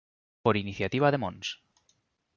Por iniciativa de mons.